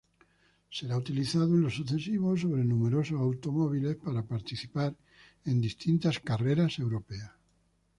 Será utilizado en lo sucesivo sobre numerosos automóviles para participar en distintas carreras europeas.